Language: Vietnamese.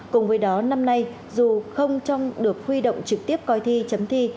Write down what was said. cùng với đó năm nay dù không trong được huy động trực tiếp coi thi chấm thi